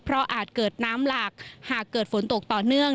เพราะอาจเกิดน้ำหลากหากเกิดฝนตกต่อเนื่อง